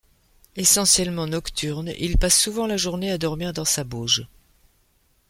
Essentiellement nocturne, il passe souvent la journée à dormir dans sa bauge.